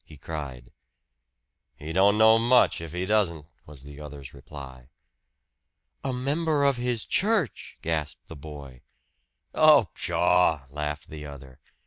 he cried. "He don't know much if he doesn't," was the other's reply. "A member of his church!" gasped the boy. "Oh, pshaw!" laughed the other.